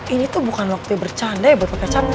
ini tuh bukan waktu yang bercanda ya buat pakai cap nih